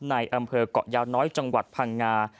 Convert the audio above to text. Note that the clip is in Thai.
ในอำเภอกเกาะยาวน้อยจังหวัดพังงา